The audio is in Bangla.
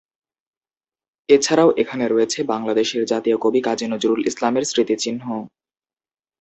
এছাড়াও এখানে রয়েছে বাংলাদেশের জাতীয় কবি কাজী নজরুল ইসলামের স্মৃতিচিহ্ন।